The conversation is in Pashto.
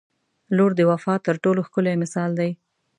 • لور د وفا تر ټولو ښکلی مثال دی.